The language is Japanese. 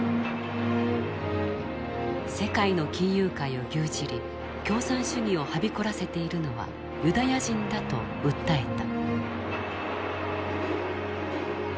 世界の金融界を牛耳り共産主義をはびこらせているのはユダヤ人だと訴えた。